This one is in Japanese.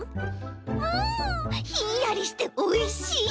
うんひんやりしておいしい。